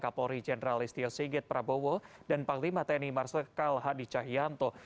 kapolri jenderal istio sigit prabowo dan panglima tni marsikal hadi cahyanto